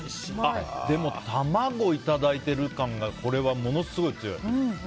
でも、卵いただいている感がこれはものすごい強い。